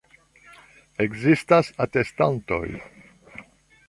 Ekzistas atestantoj.